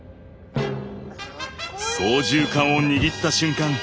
操縦かんを握った瞬間